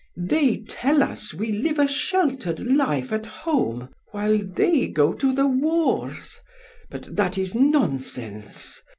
They tell us we live a sheltered life at home while they go to the wars; but that is nonsense.